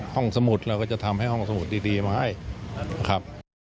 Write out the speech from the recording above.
สมุดเราก็จะทำให้ห้องสมุดดีมาให้นะครับ